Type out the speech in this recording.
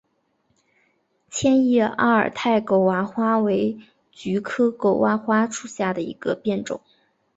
千叶阿尔泰狗娃花为菊科狗哇花属下的一个变种。